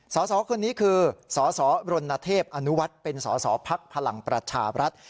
สสคนนี้คือสสรณเทพอนุวัฒน์เป็นสอสอภักดิ์พลังประชาบรัฐ